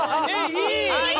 いい！